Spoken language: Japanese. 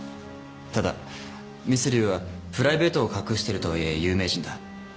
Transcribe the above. ただミスリウはプライベートを隠してるとはいえ有名人だ。